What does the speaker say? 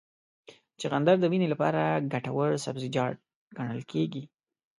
چغندر د وینې لپاره ګټور سبزیجات ګڼل کېږي.